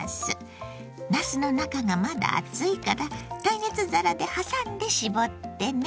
なすの中がまだ熱いから耐熱皿で挟んで絞ってね。